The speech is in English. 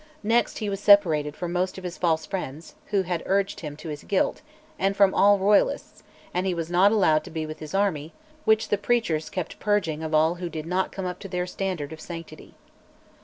Next he was separated from most of his false friends, who had urged him to his guilt, and from all Royalists; and he was not allowed to be with his army, which the preachers kept "purging" of all who did not come up to their standard of sanctity.